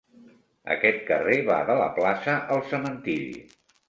Aquest carrer va de la plaça al cementiri.